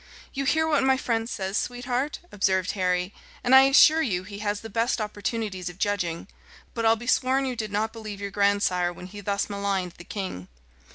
"You hear what my friend says, sweetheart," observed Harry; "and I assure you he has the best opportunities of judging. But I'll be sworn you did not believe your grand sire when he thus maligned the king."